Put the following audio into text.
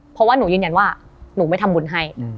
เพราะว่าหนูยืนยันว่าหนูไม่ทำบุญให้